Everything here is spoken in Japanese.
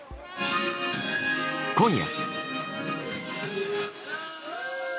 今夜。